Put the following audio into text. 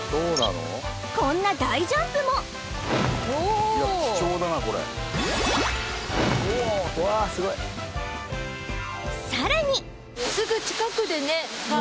こんな大ジャンプもさらにああ